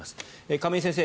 亀井先生